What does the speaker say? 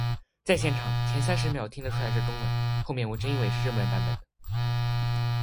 在现场，前三十秒听得出来是中文，后面我真以为是日文版本的